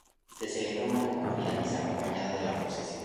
Se celebra una concurrida misa acompañada de la procesión.